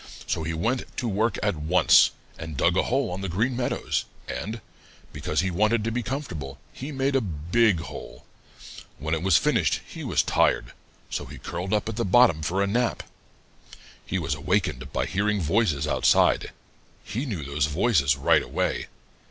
So he went to work at once and dug a hole on the Green Meadows, and, because he wanted to be comfortable, he made a big hole. When it was finished, he was tired, so he curled up at the bottom for a nap. He was awakened by hearing voices outside. He knew those voices right away.